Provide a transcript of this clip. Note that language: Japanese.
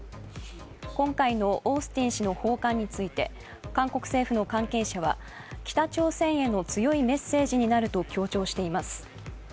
今回のオースティン氏の訪韓について韓国政府の関係者は、北朝鮮への強いメッセージになると強調しています。